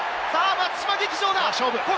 松島劇場だ！